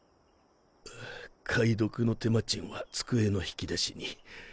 解読の手間賃は机の引き出しに。